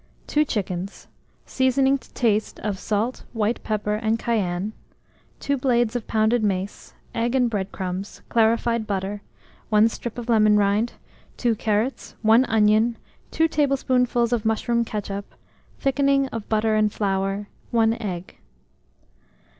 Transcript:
2 chickens; seasoning to taste of salt, white pepper, and cayenne; 2 blades of pounded mace, egg and bread crumbs, clarified butter, 1 strip of lemon rind, 2 carrots, 1 onion, 2 tablespoonfuls of mushroom ketchup, thickening of butter and flour, 1 egg.